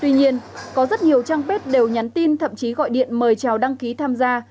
tuy nhiên có rất nhiều trang bếp đều nhắn tin thậm chí gọi điện mời trào đăng ký tham gia